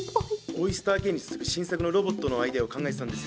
オイスターＫに続く新作のロボットのアイデアを考えてたんですが。